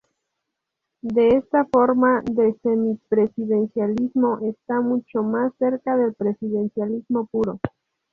Esta forma de semi-presidencialismo está mucho más cerca del presidencialismo puro.